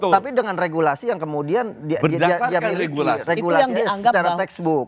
tapi dengan regulasi yang kemudian dia regulasinya secara textbook